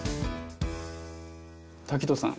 滝藤さん